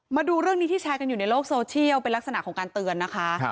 มาดูเรื่องนี้ที่แชร์กันอยู่ในโลกโซเชียลเป็นลักษณะของการเตือนนะคะ